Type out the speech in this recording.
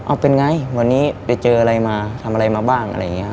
เอาเป็นไงวันนี้ไปเจออะไรมาทำอะไรมาบ้างอะไรอย่างนี้ครับ